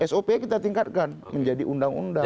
sop kita tingkatkan menjadi undang undang